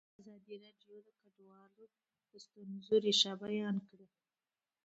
ازادي راډیو د کډوال د ستونزو رېښه بیان کړې.